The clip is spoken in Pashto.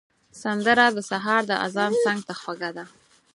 سندره د سهار د اذان څنګ ته خوږه ده